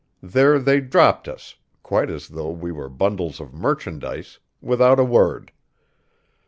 There they dropped us, quite as though we were bundles of merchandise, without a word.